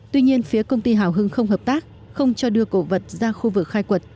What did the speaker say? tuy nhiên phía công ty hào hưng không hợp tác không cho đưa cổ vật ra khu vực khai quật